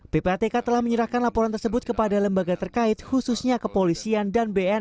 ppatk telah menyerahkan laporan tersebut kepada lembaga terkait khususnya kepolisian dan bnn